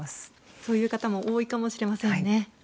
そういう方も多いかもしれませんね。